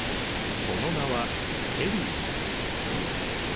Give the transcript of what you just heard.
その名はペリー。